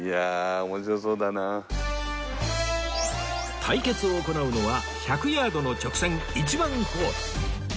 対決を行うのは１００ヤードの直線１番ホール